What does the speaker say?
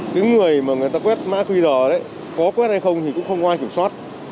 cái người mà người ta quét mã qr đấy có quét hay không thì cũng không ai kiểm soát